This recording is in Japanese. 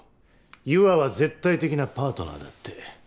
優愛は絶対的なパートナーだって。